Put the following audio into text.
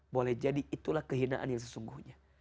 boleh jadi itulah kehinaan yang sesungguhnya